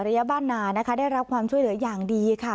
บ้านนานะคะได้รับความช่วยเหลืออย่างดีค่ะ